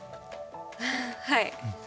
はい。